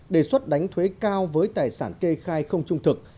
đề xuất đánh thuế cao với tài sản kê khai không trung thực